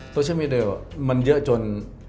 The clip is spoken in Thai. โซเชียลมีเดลมันเยอะจน